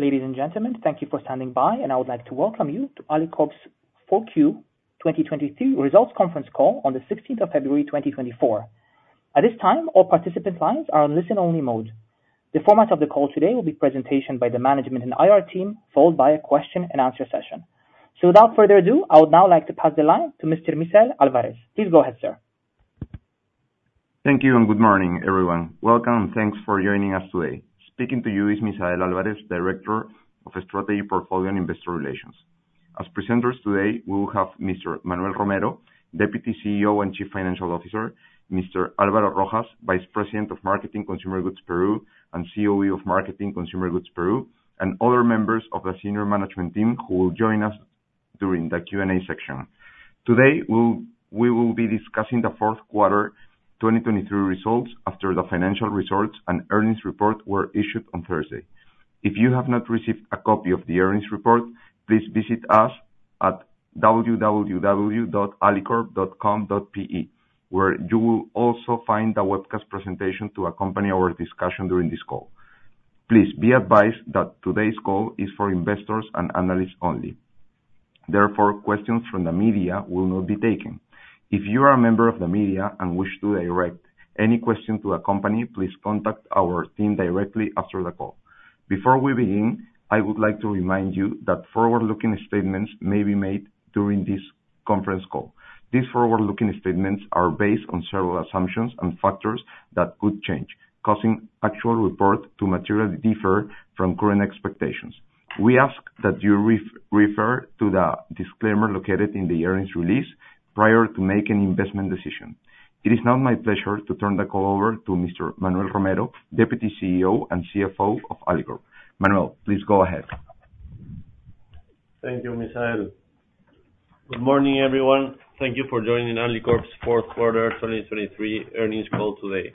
Ladies and gentlemen, thank you for standing by, and I would like to welcome you to Alicorp's Q4 2023 Results Conference Call on the 16th of February, 2024. At this time, all participant lines are on listen-only mode. The format of the call today will be presentation by the management and IR team, followed by a question-and-answer session. So without further ado, I would now like to pass the line to Mr. Misael Álvarez. Please go ahead, sir. Thank you and good morning, everyone. Welcome, and thanks for joining us today. Speaking to you is Misael Álvarez, Director of Strategy Portfolio and Investor Relations. As presenters today, we will have Mr. Manuel Romero, Deputy CEO and Chief Financial Officer, Mr. Álvaro Rojas, Vice President of Marketing Consumer Goods Peru and COE of Marketing Consumer Goods Peru, and other members of the senior management team who will join us during the Q&A section. Today, we will be discussing the Q4 2023 results after the financial results and earnings report were issued on Thursday. If you have not received a copy of the earnings report, please visit us at www.alicorp.com.pe, where you will also find the webcast presentation to accompany our discussion during this call. Please be advised that today's call is for investors and analysts only. Therefore, questions from the media will not be taken. If you are a member of the media and wish to direct any question to a company, please contact our team directly after the call. Before we begin, I would like to remind you that forward-looking statements may be made during this conference call. These forward-looking statements are based on several assumptions and factors that could change, causing actual reports to materially differ from current expectations. We ask that you refer to the disclaimer located in the earnings release prior to making an investment decision. It is now my pleasure to turn the call over to Mr. Manuel Romero, Deputy CEO and CFO of Alicorp. Manuel, please go ahead. Thank you, Misael. Good morning, everyone. Thank you for joining Alicorp's Q4 2023 Earnings Call today.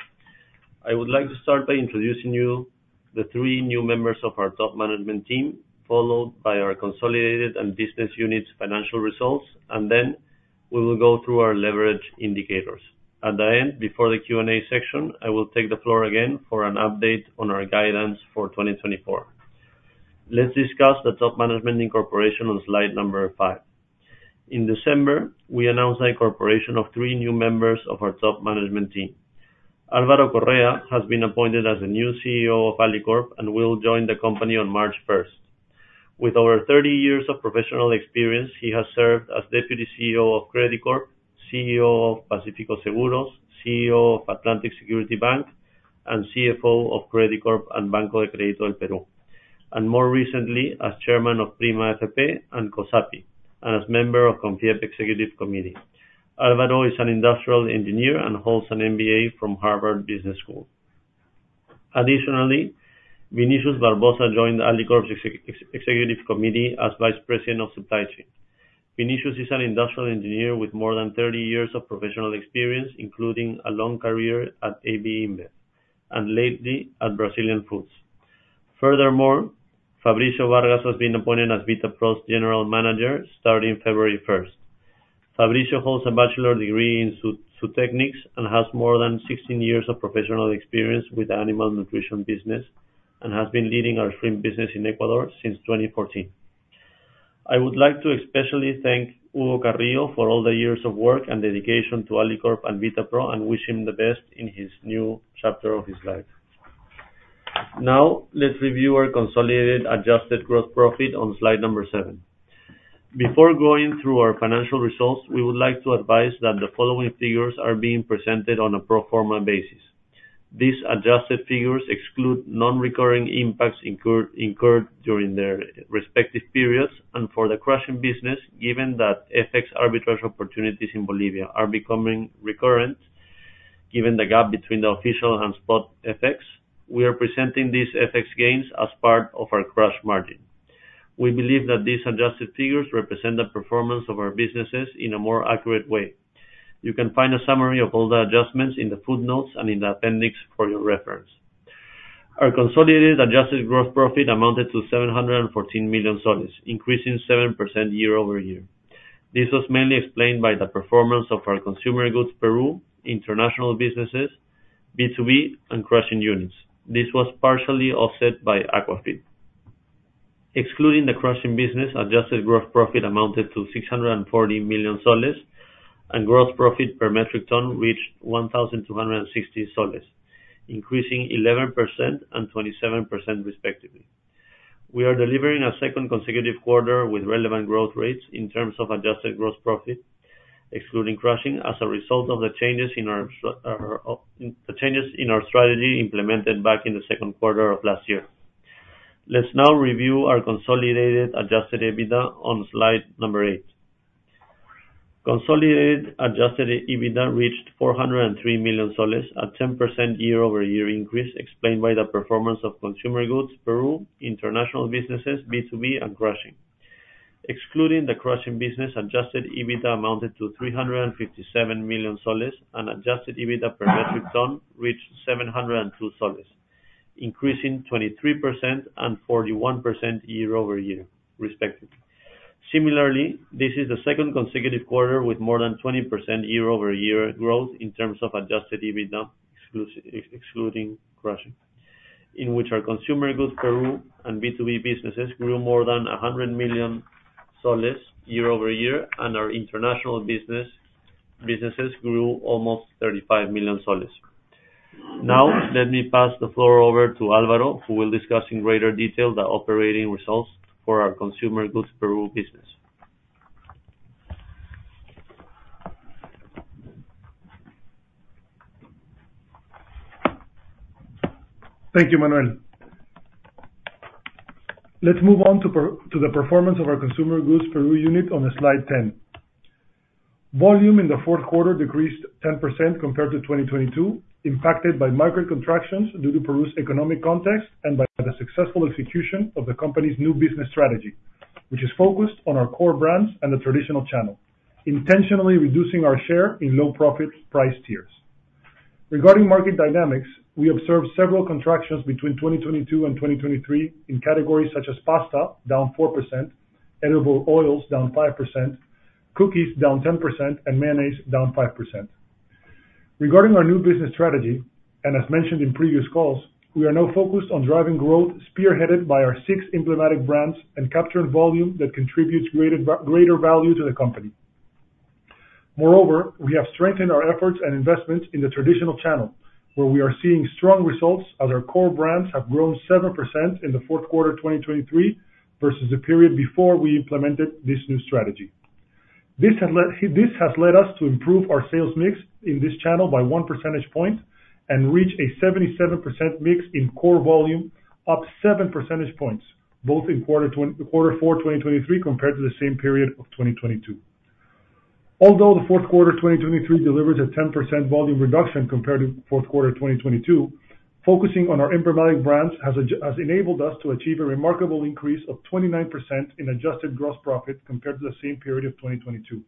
I would like to start by introducing you to the three new members of our top management team, followed by our consolidated and business unit's financial results, and then we will go through our leverage indicators. At the end, before the Q&A section, I will take the floor again for an update on our guidance for 2024. Let's discuss the top management incorporation on slide number five. In December, we announced the incorporation of three new members of our top management team. Álvaro Correa has been appointed as the new CEO of Alicorp and will join the company on March 1st. With over 30 years of professional experience, he has served as Deputy CEO of Credicorp, CEO of Pacífico Seguros, CEO of Atlantic Security Bank, and CFO of Credicorp and Banco de Crédito del Perú, and more recently as Chairman of Prima AFP and COSAPI, and as member of CONFIEP Executive Committee. Álvaro is an industrial engineer and holds an MBA from Harvard Business School. Additionally, Vinicius Barbosa joined Alicorp's Executive Committee as Vice President of Supply Chain. Vinicius is an industrial engineer with more than 30 years of professional experience, including a long career at AB InBev and lately at BRF. Furthermore, Fabricio Vargas has been appointed as Vitapro's General Manager starting February 1st. Fabricio holds a bachelor's degree in zootechnics and has more than 16 years of professional experience with the animal nutrition business and has been leading our shrimp business in Ecuador since 2014. I would like to especially thank Hugo Carrillo for all the years of work and dedication to Alicorp and Vitapro, and wish him the best in his new chapter of his life. Now, let's review our consolidated adjusted gross profit on slide number seven. Before going through our financial results, we would like to advise that the following figures are being presented on a pro forma basis. These adjusted figures exclude non-recurring impacts incurred during their respective periods, and for the crushing business, given that FX arbitrage opportunities in Bolivia are becoming recurrent given the gap between the official and spot FX, we are presenting these FX gains as part of our crush margin. We believe that these adjusted figures represent the performance of our businesses in a more accurate way. You can find a summary of all the adjustments in the footnotes and in the appendix for your reference. Our consolidated adjusted gross profit amounted to PEN 714 million, increasing 7% year-over-year. This was mainly explained by the performance of our Consumer Goods Peru, International Businesses, B2B, and crushing units. This was partially offset by Aquafeed. Excluding the crushing business, adjusted gross profit amounted to PEN 640 million, and gross profit per metric ton reached PEN 1,260, increasing 11% and 27% respectively. We are delivering a second consecutive quarter with relevant growth rates in terms of adjusted gross profit, excluding crushing, as a result of the changes in our strategy implemented back in the Q2 of last year. Let's now review our consolidated adjusted EBITDA on slide number eight. Consolidated adjusted EBITDA reached PEN 403 million, a 10% year-over-year increase explained by the performance of Consumer Goods Peru, International Businesses, B2B, and crushing. Excluding the crushing business, adjusted EBITDA amounted to PEN 357 million, and adjusted EBITDA per metric ton reached PEN 702, increasing 23% and 41% year-over-year respectively. Similarly, this is the second consecutive quarter with more than 20% year-over-year growth in terms of adjusted EBITDA, excluding crushing, in which our consumer goods Peru and B2B businesses grew more than PEN 100 million year-over-year, and our international businesses grew almost PEN 35 million. Now, let me pass the floor over to Álvaro, who will discuss in greater detail the operating results for our consumer goods Peru business. Thank you, Manuel. Let's move on to the performance of our consumer goods Peru unit on slide 10. Volume in the Q4 decreased 10% compared to 2022, impacted by market contractions due to Peru's economic context and by the successful execution of the company's new business strategy, which is focused on our core brands and the traditional channel, intentionally reducing our share in low-profit price tiers. Regarding market dynamics, we observed several contractions between 2022 and 2023 in categories such as pasta, down 4%; edible oils, down 5%; cookies, down 10%; and mayonnaise, down 5%. Regarding our new business strategy, and as mentioned in previous calls, we are now focused on driving growth spearheaded by our six emblematic brands and capturing volume that contributes greater value to the company. Moreover, we have strengthened our efforts and investments in the traditional channel, where we are seeing strong results as our core brands have grown 7% in the Q4 2023 versus the period before we implemented this new strategy. This has led us to improve our sales mix in this channel by one percentage point and reach a 77% mix in core volume, up seven percentage points, both in Q4 2023 compared to the same period of 2022. Although the Q4 2023 delivers a 10% volume reduction compared to Q4 2022, focusing on our emblematic brands has enabled us to achieve a remarkable increase of 29% in adjusted gross profit compared to the same period of 2022.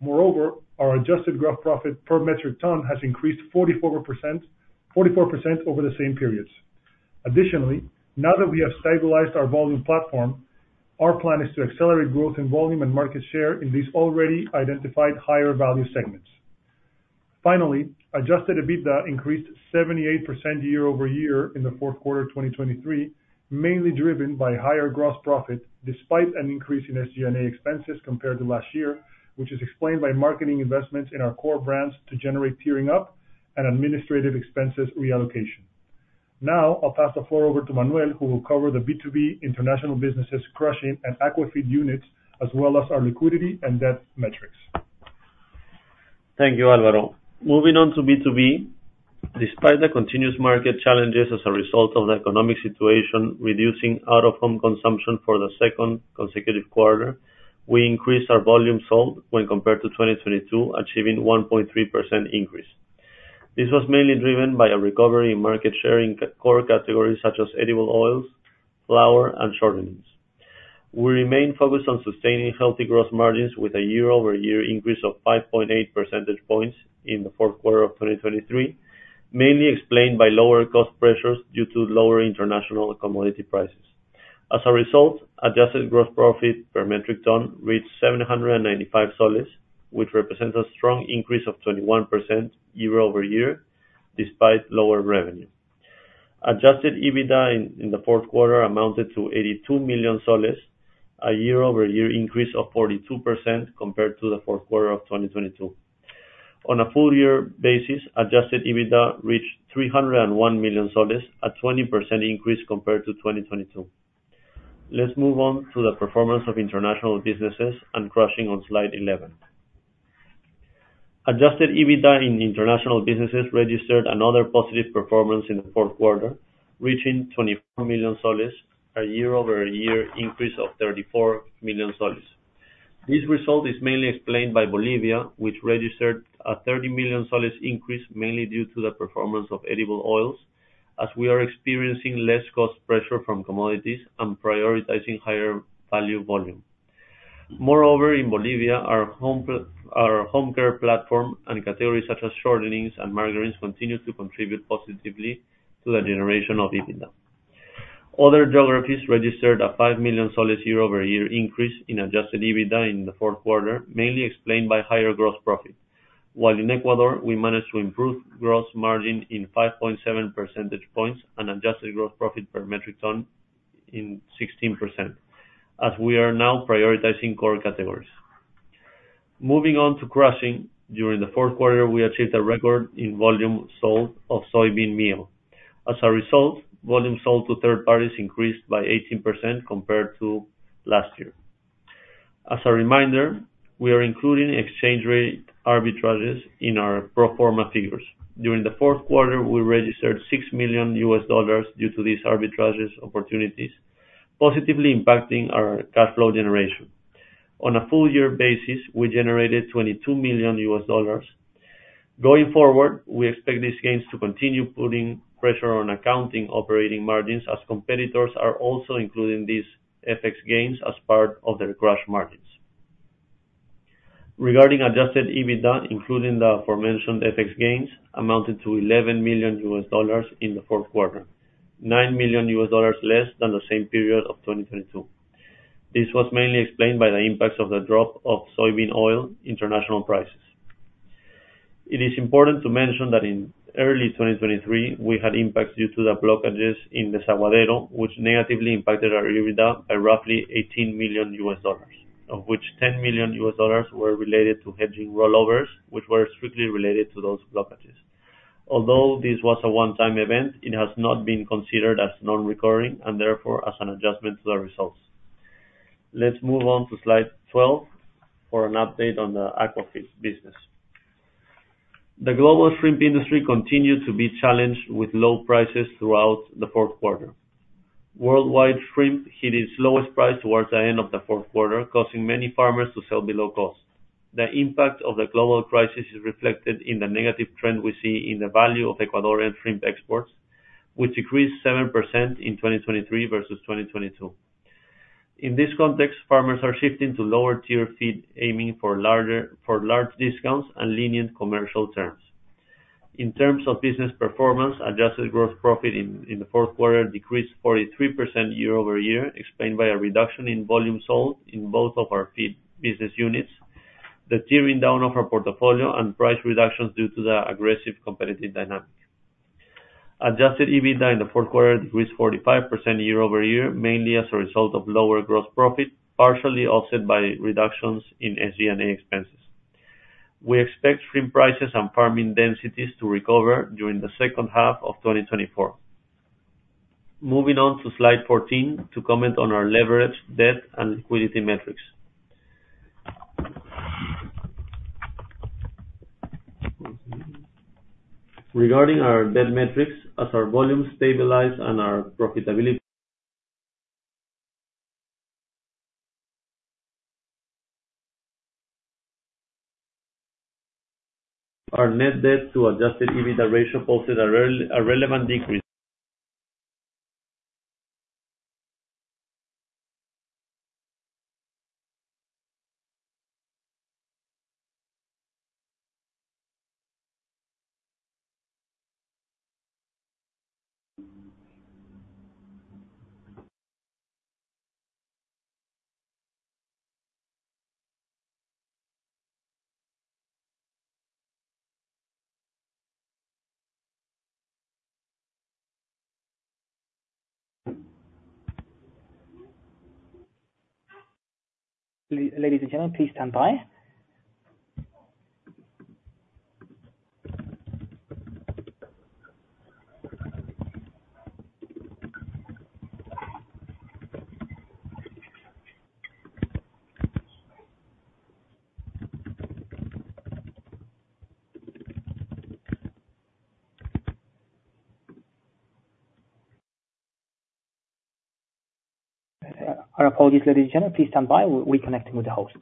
Moreover, our adjusted gross profit per metric ton has increased 44% over the same periods. Additionally, now that we have stabilized our volume platform, our plan is to accelerate growth in volume and market share in these already identified higher-value segments. Finally, adjusted EBITDA increased 78% year-over-year in the Q4 2023, mainly driven by higher gross profit despite an increase in SG&A expenses compared to last year, which is explained by marketing investments in our core brands to generate tiering up and administrative expenses reallocation. Now, I'll pass the floor over to Manuel, who will cover the B2B international businesses crushing and Aquafeed units, as well as our liquidity and debt metrics. Thank you, Álvaro. Moving on to B2B, despite the continuous market challenges as a result of the economic situation reducing out-of-home consumption for the second consecutive quarter, we increased our volume sold when compared to 2022, achieving 1.3% increase. This was mainly driven by a recovery in market share in core categories such as edible oils, flour, and shortenings. We remain focused on sustaining healthy gross margins with a year-over-year increase of 5.8 percentage points in the Q4 of 2023, mainly explained by lower cost pressures due to lower international commodity prices. As a result, adjusted gross profit per metric ton reached PEN 795, which represents a strong increase of 21% year-over-year despite lower revenue. Adjusted EBITDA in the Q4 amounted to PEN 82 million, a year-over-year increase of 42% compared to the Q4 of 2022. On a full-year basis, adjusted EBITDA reached PEN 301 million, a 20% increase compared to 2022. Let's move on to the performance of international businesses and crushing on slide 11. Adjusted EBITDA in international businesses registered another positive performance in the Q4, reaching PEN 24 million, a year-over-year increase of PEN 34 million. This result is mainly explained by Bolivia, which registered a PEN 30 million increase mainly due to the performance of edible oils, as we are experiencing less cost pressure from commodities and prioritizing higher-value volume. Moreover, in Bolivia, our home care platform and categories such as shortenings and margarines continue to contribute positively to the generation of EBITDA. Other geographies registered a PEN 5 million year-over-year increase in adjusted EBITDA in the Q4, mainly explained by higher gross profit, while in Ecuador, we managed to improve gross margin in 5.7 percentage points and adjusted gross profit per metric ton in 16%, as we are now prioritizing core categories. Moving on to crushing, during the Q4, we achieved a record in volume sold of soybean meal. As a result, volume sold to third parties increased by 18% compared to last year. As a reminder, we are including exchange rate arbitrage in our pro forma figures. During the Q4, we registered $6 million due to these arbitrage opportunities, positively impacting our cash flow generation. On a full-year basis, we generated $22 million. Going forward, we expect these gains to continue putting pressure on accounting operating margins, as competitors are also including these FX gains as part of their crushing margins. Regarding adjusted EBITDA, including the aforementioned FX gains, amounted to $11 million in the Q4, $9 million less than the same period of 2022. This was mainly explained by the impacts of the drop of soybean oil international prices. It is important to mention that in early 2023, we had impacts due to the blockages in the Desaguadero, which negatively impacted our EBITDA by roughly $18 million, of which $10 million were related to hedging rollovers, which were strictly related to those blockages. Although this was a one-time event, it has not been considered as non-recurring and therefore as an adjustment to the results. Let's move on to slide 12 for an update on the Aquafeed business. The global shrimp industry continued to be challenged with low prices throughout the fourth quarter. Worldwide shrimp hit its lowest price towards the end of the fourth quarter, causing many farmers to sell below cost. The impact of the global crisis is reflected in the negative trend we see in the value of Ecuadorian shrimp exports, which decreased 7% in 2023 versus 2022. In this context, farmers are shifting to lower-tier feed, aiming for large discounts and lenient commercial terms. In terms of business performance, adjusted gross profit in the Q4 decreased 43% year-over-year, explained by a reduction in volume sold in both of our feed business units, the tiering down of our portfolio, and price reductions due to the aggressive competitive dynamic. Adjusted EBITDA in the Q4 decreased 45% year-over-year, mainly as a result of lower gross profit, partially offset by reductions in SG&A expenses. We expect shrimp prices and farming densities to recover during the H2 of 2024. Moving on to slide 14 to comment on our leverage, debt, and liquidity metrics. Regarding our debt metrics, as our volume stabilized and our profitability our net debt to adjusted EBITDA ratio posted a relevant decrease. Ladies and gentlemen, please stand by. Our apologies, ladies and gentlemen. Please stand by. We're reconnecting with the host.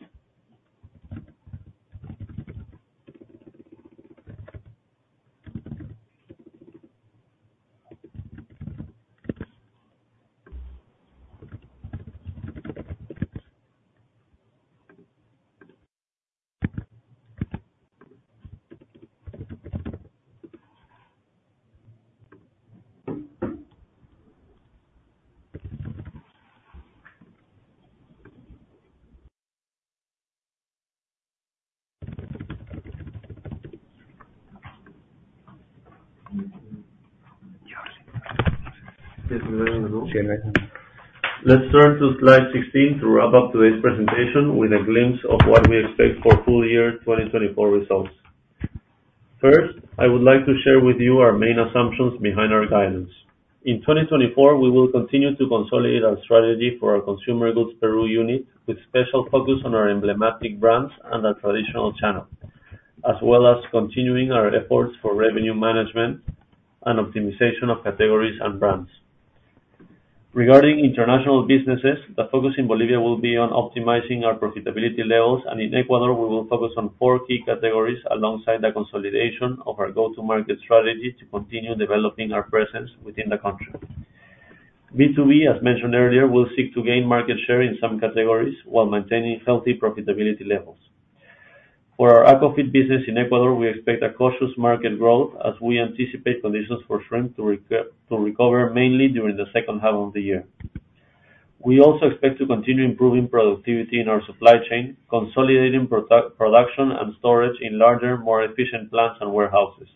Let's turn to slide 16 to wrap up today's presentation with a glimpse of what we expect for full-year 2024 results. First, I would like to share with you our main assumptions behind our guidance. In 2024, we will continue to consolidate our strategy for our consumer goods Peru unit with special focus on our emblematic brands and our traditional channel, as well as continuing our efforts for revenue management and optimization of categories and brands. Regarding international businesses, the focus in Bolivia will be on optimizing our profitability levels, and in Ecuador, we will focus on four key categories alongside the consolidation of our go-to-market strategy to continue developing our presence within the country. B2B, as mentioned earlier, will seek to gain market share in some categories while maintaining healthy profitability levels. For our Aquafeed business in Ecuador, we expect a cautious market growth as we anticipate conditions for shrimp to recover mainly during the second half of the year. We also expect to continue improving productivity in our supply chain, consolidating production and storage in larger, more efficient plants and warehouses.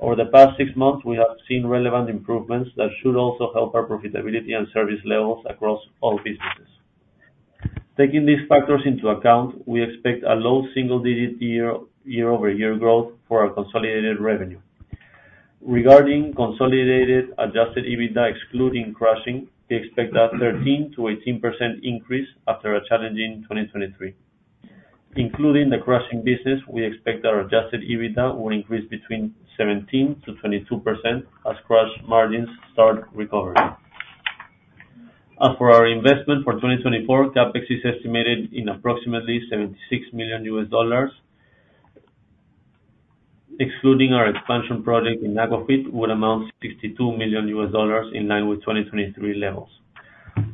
Over the past six months, we have seen relevant improvements that should also help our profitability and service levels across all businesses. Taking these factors into account, we expect a low single-digit year-over-year growth for our consolidated revenue. Regarding consolidated adjusted EBITDA excluding crushing, we expect a 13%-18% increase after a challenging 2023. Including the crushing business, we expect our adjusted EBITDA will increase between 17%-22% as crushing margins start recovering. As for our investment for 2024, CapEx is estimated in approximately $76 million. Excluding our expansion project in Aquafeed would amount to $62 million in line with 2023 levels.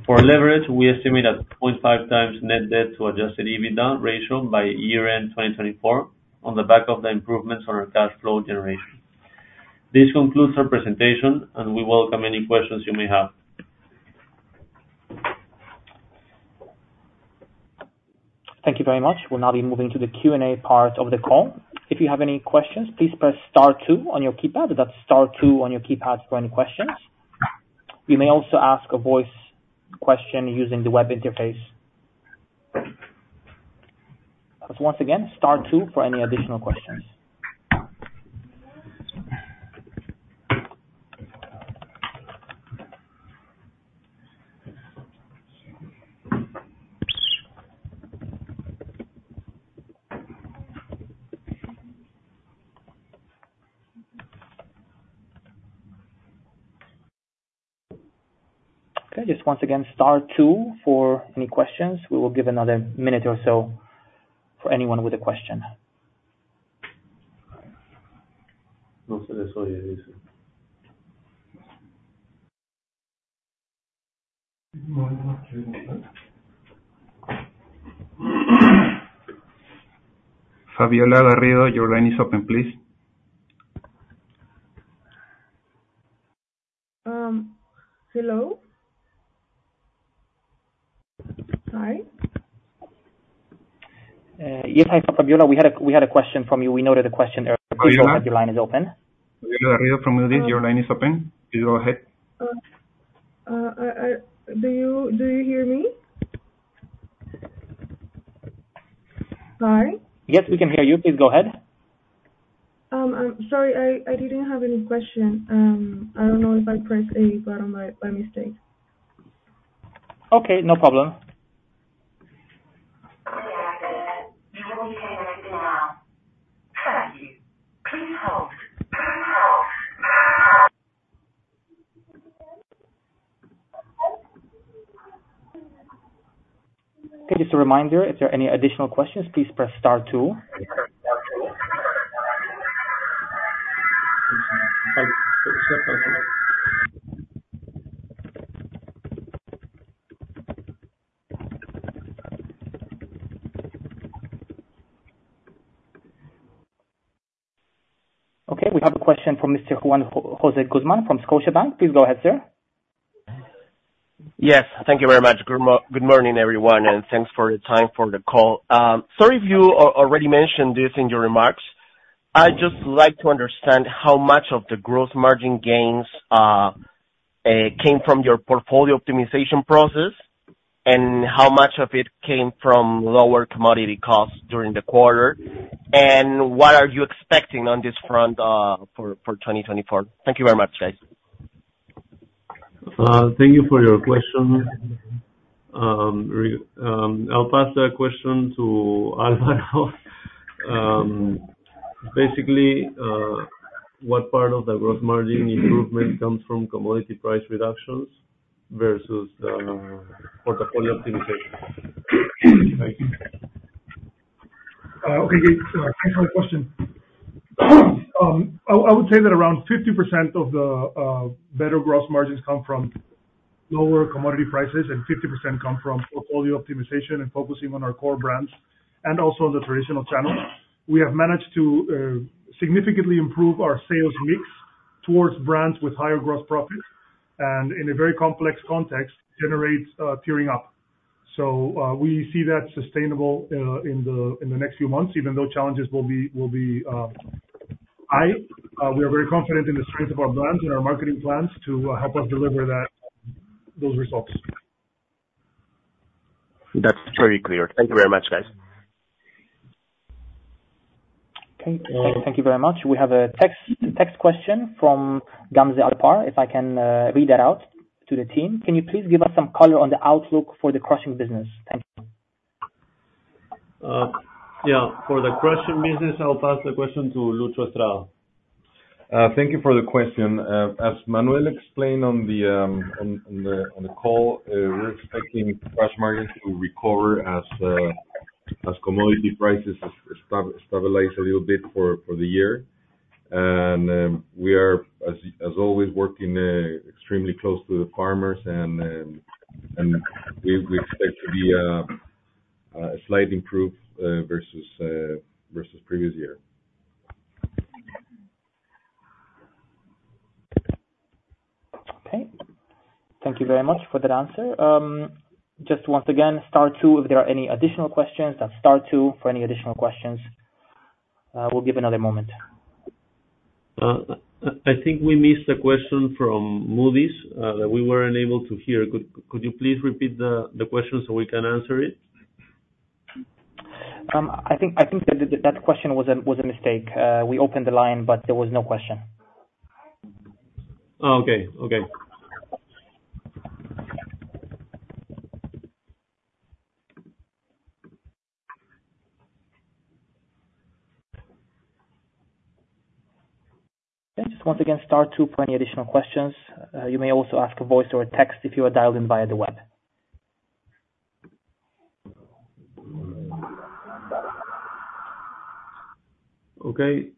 For leverage, we estimate a 0.5 times net debt to adjusted EBITDA ratio by year-end 2024 on the back of the improvements on our cash flow generation. This concludes our presentation, and we welcome any questions you may have. Thank you very much. We'll now be moving to the Q&A part of the call. If you have any questions, please press star two on your keypad. That's star two on your keypad for any questions. You may also ask a voice question using the web interface. Once again, star two for any additional questions. Okay. Just once again, star two for any questions. We will give another minute or so for anyone with a question. Most of this will be easy. Fabiola Garrido, your line is open, please. Hello? Sorry? Yes, hi, Fabiola. We had a question from you. We noted a question earlier. Oh, yeah? That your line is open. Fabiola Garrido from Moody's. Your line is open. Please go ahead. Do you hear me? Sorry? Yes, we can hear you. Please go ahead. Sorry, I didn't have any question. I don't know if I pressed a button by mistake. Okay. No problem. Okay. Just a reminder, if there are any additional questions, please press star two. Okay. We have a question from Mr. Juan José Guzmán from Scotiabank. Please go ahead, sir. Yes. Thank you very much. Good morning, everyone, and thanks for your time for the call. Sorry if you already mentioned this in your remarks. I'd just like to understand how much of the gross margin gains came from your portfolio optimization process and how much of it came from lower commodity costs during the quarter, and what are you expecting on this front for 2024? Thank you very much, guys. Thank you for your question. I'll pass that question to Álvaro. Basically, what part of the gross margin improvement comes from commodity price reductions versus the portfolio optimization? Thank you. Okay. Thanks for the question. I would say that around 50% of the better gross margins come from lower commodity prices, and 50% come from portfolio optimization and focusing on our core brands and also on the traditional channels. We have managed to significantly improve our sales mix towards brands with higher gross profit and, in a very complex context, generate tiering up. We see that as sustainable in the next few months, even though challenges will be high. We are very confident in the strength of our brands and our marketing plans to help us deliver those results. That's very clear. Thank you very much, guys. Okay. Thank you very much. We have a text question from Gamze Alpar. If I can read that out to the team, can you please give us some color on the outlook for the crushing business? Thank you. Yeah. For the crushing business, I'll pass the question to Lucio Estrada. Thank you for the question. As Manuel explained on the call, we're expecting crushing margins to recover as commodity prices stabilize a little bit for the year. And we are, as always, working extremely close to the farmers, and we expect to be a slight improvement versus previous year. Okay. Thank you very much for that answer. Just once again, STAR 2. If there are any additional questions, that's STAR 2 for any additional questions. We'll give another moment. I think we missed a question from Moody's that we weren't able to hear. Could you please repeat the question so we can answer it? I think that that question was a mistake. We opened the line, but there was no question. Oh, okay. Okay. Okay. Just once again, star 2 for any additional questions. You may also ask a voice or a text if you are dialed in via the web. Okay.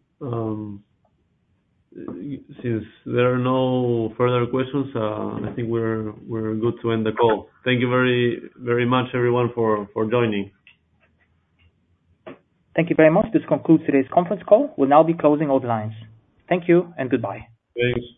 Since there are no further questions, I think we're good to end the call. Thank you very much, everyone, for joining. Thank you very much. This concludes today's conference call. We'll now be closing all the lines. Thank you and goodbye. Thanks.